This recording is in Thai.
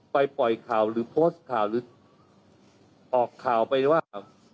ปล่อยข่าวหรือโพสต์ข่าวหรือออกข่าวไปว่า